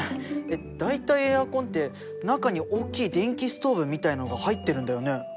大体エアコンって中に大きい電気ストーブみたいなのが入ってるんだよね？